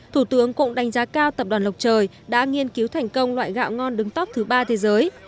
thủ tướng cũng đánh giá cao tập đoàn lộc trời đã nghiên cứu thành công loại gạo ngon đứng tóc thứ ba thế giới